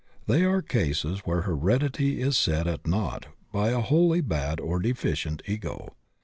They are cases where heredity is set at nought by a wholly bad or deficient Ego.